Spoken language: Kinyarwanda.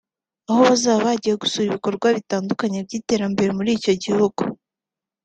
aho bazaba bagiye gusura ibikorwa bitandukanye by’iterambere muri icyo gihugu